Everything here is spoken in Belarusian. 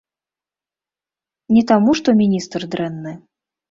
Не таму, што міністр дрэнны.